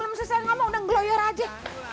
belum selesai ngomong udah ngeloyor aja